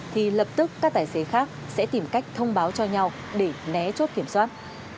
thì lập tức các tài xế khác sẽ tìm cách thông báo cho nhau để né chốt kiểm soát